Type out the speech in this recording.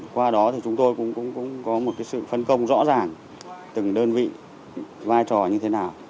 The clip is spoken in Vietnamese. qua đó thì chúng tôi cũng có một sự phân công rõ ràng từng đơn vị vai trò như thế nào